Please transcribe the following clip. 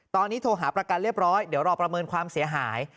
ตอนนี้โทรหาประกันเรียบร้อยเดี๋ยวรอประเมินความเสียหาย